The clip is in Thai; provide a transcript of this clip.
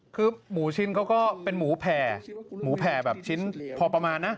คือหมูชิ้นเขาก็เป็นหมูแผ่หมูแผ่แบบชิ้นพอประมาณนะ